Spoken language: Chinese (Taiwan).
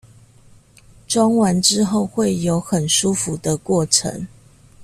裝完之後會有很舒服的過程